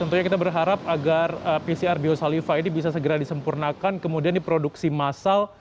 tentu saja kita berharap agar tes pcr biosaliva ini bisa disempurnakan dan diproduksi massal